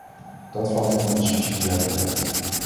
Dat valt onder de subsidiariteit.